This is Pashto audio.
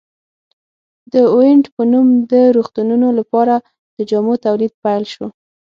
د اوینټ په نوم د روغتونونو لپاره د جامو تولید پیل شو.